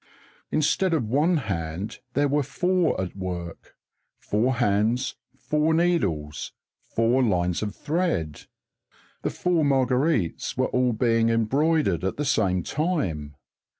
Instead of one hand, there were four at work four hands, four needles, four lines of thread. _The four marguerites were all being embroidered at the same time!